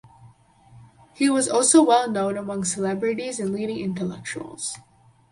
He was also well known among celebrities and leading Intellectuals.